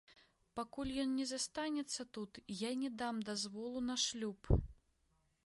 Пакуль ён не застанецца тут, я не дам дазволу на шлюб!